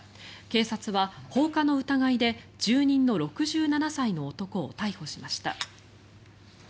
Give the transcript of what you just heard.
警察は放火の疑いで住人の６７歳の男を逮捕しました。